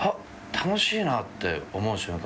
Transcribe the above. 楽しいなって思う瞬間